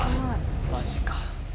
マジか。